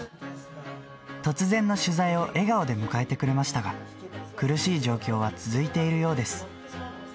突然の取材を笑顔で迎えてくれましたが、苦しい状況は続いているようです。